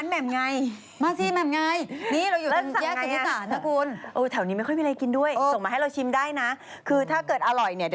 ฝากร้านบัวลอยมะพร้าวอ่อนอุ๊ยเหรอเอามาส่งก่อนสิ